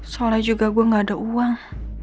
soalnya juga gue gak ada uang